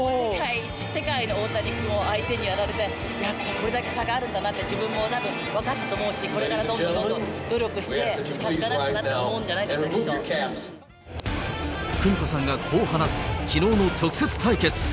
世界の大谷君を相手にやられて、これだけ差があるんだなって、自分も分かったと思うし、これからどんどんどんどん努力して打ち勝たなくちゃなと思うんじ久美子さんがこう話す、きのうの直接対決。